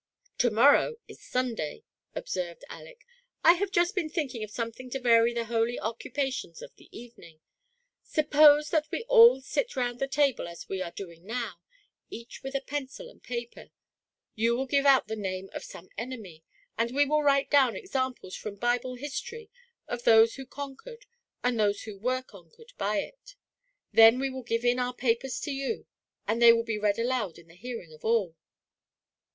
"To morrow is Sunday," observed Aleck; "I have just been thinking of something to vary the holy occu pations of the evening. Suppose that we all sit round the table as we are doing now, each with a pencil and paper; you will give out the name of some enemy, and we will write down examples from Bible history of those who conquered, and those who were conquered by it; then we will give in our papers to you, and they will be read aloud in the hearing of all."